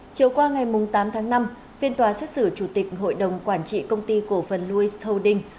chiều qua ngày tám tháng năm phiên tòa xét xử chủ tịch hội đồng quản trị công ty cổ phần louice holding